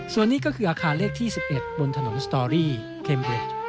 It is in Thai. ส่วนนี้ก็คืออาคารเลขที่๑๑บนถนนสตอรี่เคมเรด